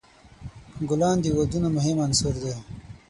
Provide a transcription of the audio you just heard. ګلان د ودونو مهم عنصر دی.